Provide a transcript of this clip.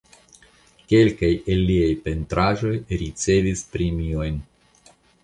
Kelkaj el liaj pentraĵoj ricevis premiojn.